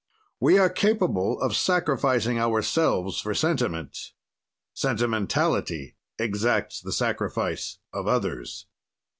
"We are capable of sacrificing ourselves for sentiment. "Sentimentality exacts the sacrifice of others.